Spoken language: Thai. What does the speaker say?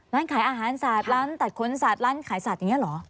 ร้านขายอาหารสัตว์ร้านตัดขนสัตว์ร้านขายสัตว์อย่างนี้เหรอ